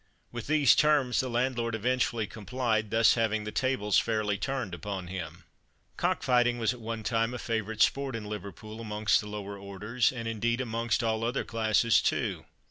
With these terms the landlord eventually complied, thus having "the tables fairly turned" upon him. Cock fighting was at one time a favourite sport in Liverpool, amongst the lower orders, and, indeed, amongst all other classes too.